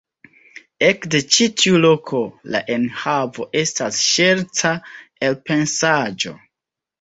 Ekde ĉi tiu loko la enhavo estas ŝerca elpensaĵo.